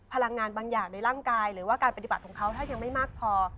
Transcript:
พลังงานบางอย่างในร่างกายหรือว่าการปฏิบัติของเขาถ้ายังไม่มากพอ